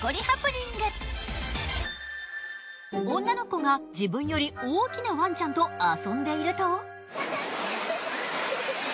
女の子が自分より大きなワンちゃんと遊んでいると。